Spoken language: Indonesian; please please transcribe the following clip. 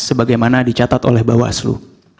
sebagaimana dicatat oleh bawaslu